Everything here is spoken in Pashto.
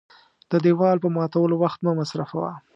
د دېوال په ماتولو وخت مه مصرفوه .